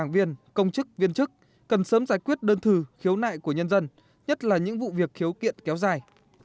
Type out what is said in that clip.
viên chức cần sớm giải quyết đơn thừ khiếu nại của nhân dân nhất là những vụ việc khiếu kiện kéo dài